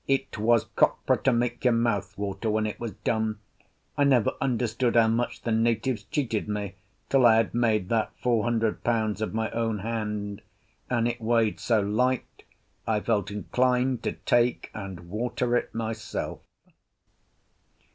It was copra to make your mouth water when it was done—I never understood how much the natives cheated me till I had made that four hundred pounds of my own hand—and it weighed so light I felt inclined to take and water it myself.